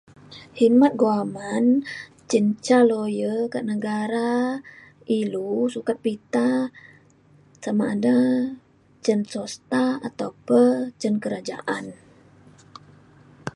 hikmat guaman ceng ca lawyer ka negara ilu sukat pita sama ada cen swasta ataupe cen kerajaan.